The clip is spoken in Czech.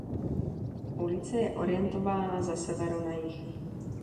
Ulice je orientována ze severu na jih.